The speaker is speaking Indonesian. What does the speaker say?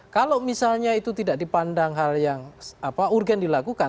kalau misalnya itu tidak dipandang hal yang urgen dilakukan